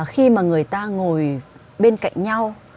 khi mà người ta ngồi bên cạnh nhau